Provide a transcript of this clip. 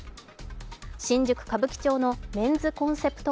新宿・歌舞伎町のメンズコンセプト